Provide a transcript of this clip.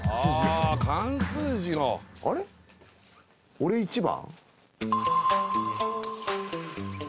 俺１番？